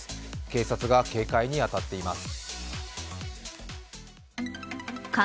警察が警戒に当たっています。